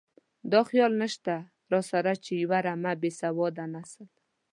دا خیال نشته راسره چې یوه رمه بې سواده نسل.